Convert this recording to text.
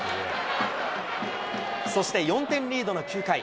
そして４点リードの９回。